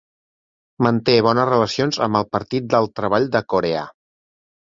Manté bones relacions amb el Partit del Treball de Corea.